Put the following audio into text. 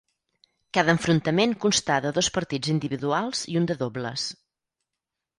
Cada enfrontament constà de dos partits individuals i un de dobles.